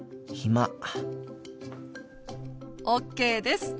ＯＫです。